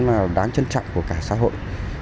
là đáng trân trọng của cả xã hội